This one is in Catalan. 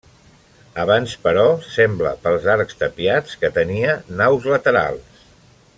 Abans però sembla pels arcs tapiats que tenia naus laterals.